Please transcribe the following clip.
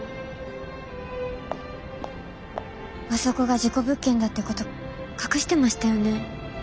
あそこが事故物件だってこと隠してましたよね？